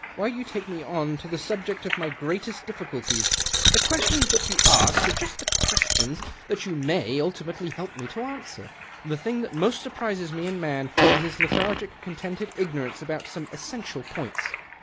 why do you take me on to THE OCTAVE OF CLAUDIUS. 141 the subject of my greatest ditiiculties ? The questions that you ask are just the questions that you may ultimately help me to answer. The thing that most surprises me in man is his lethargic, contented ignorance about some essential points.